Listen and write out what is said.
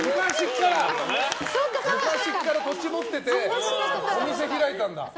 昔から土地持っててお店開いたんだ。